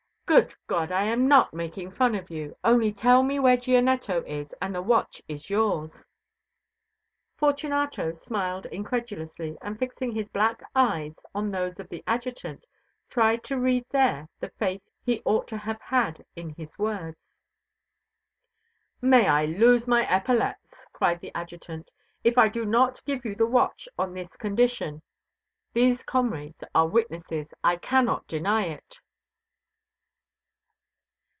"Good God! I am not making fun of you. Only tell me where Gianetto is and the watch is yours." Fortunato smiled incredulously, and fixing his black eyes on those of the Adjutant tried to read there the faith he ought to have had in his words. "May I lose my epaulettes," cried the Adjutant, "if I do not give you the watch on this condition. These comrades are witnesses; I can not deny it."